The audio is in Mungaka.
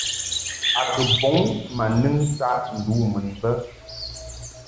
A kɨ bɔŋ ma nɨŋ saʼ ndu mun bə.